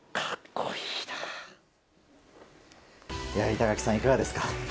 板垣さん、いかがですか。